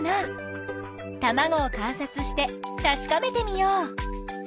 たまごを観察してたしかめてみよう。